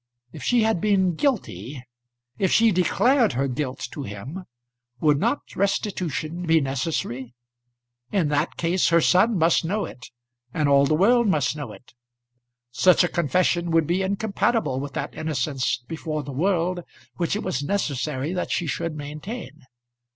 If she had been, guilty, if she declared her guilt to him, would not restitution be necessary? In that case her son must know it, and all the world must know it. Such a confession would be incompatible with that innocence before the world which it was necessary that she should maintain.